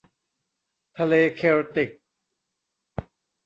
ทะเลเคลติก